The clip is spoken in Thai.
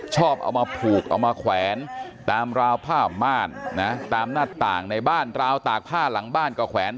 ชอบเอามาผูกเอามาแขวนตามราวผ้าม่านนะตามหน้าต่างในบ้านราวตากผ้าหลังบ้านก็แขวน